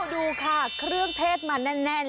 ดูค่ะเครื่องเทศมาแน่น